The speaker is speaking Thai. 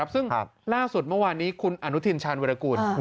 ซึ่งล่าสุดเมื่อวานนี้คุณอนุทินชาญวิรากูล